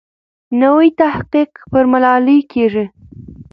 نوی تحقیق پر ملالۍ کېږي.